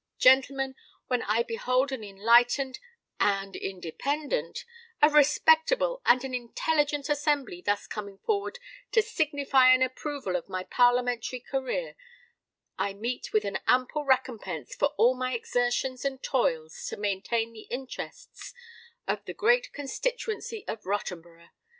Gentlemen, when I behold an enlightened—an independent—a respectable—and an intelligent assembly thus coming forward to signify an approval of my parliamentary career, I meet with an ample recompense for all my exertions and toils to maintain the interests of the great constituency of Rottenborough.